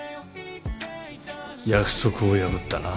約束を破ったな